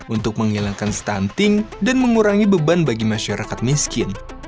untuk menghilangkan stunting dan mengurangi beban bagi masyarakat miskin